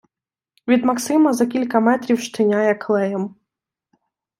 Від Максима за кілька метрів штиняє” клеєм.